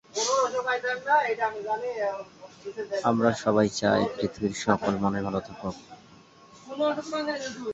এরপর মনোবিজ্ঞান নিয়ে পিএইচডি করেন।